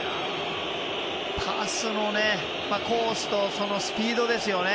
パスのコースとスピードですよね。